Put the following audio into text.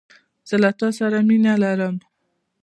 زه له تاسو سره مينه لرم